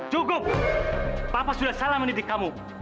cukup papa sudah salah mendidik kamu